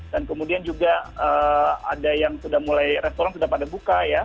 kemudian juga ada yang sudah mulai restoran sudah pada buka ya